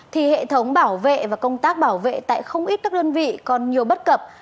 thì hệ thống bảo vệ và công tác bảo vệ tại không ít các đơn vị còn nhiều bất cập